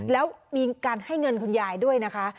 แล้วมีการให้เงินคุณยายด้วยนะคะ